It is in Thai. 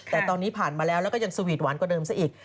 แต่ตอนนี้ผ่านมาแล้วแล้วก็ยังสวีทหวานกว่าเดิมซะอีก